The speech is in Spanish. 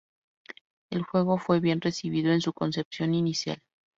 El juego fue bien recibido en su concepción inicial.